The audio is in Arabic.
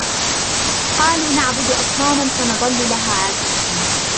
قَالُوا نَعْبُدُ أَصْنَامًا فَنَظَلُّ لَهَا عَاكِفِينَ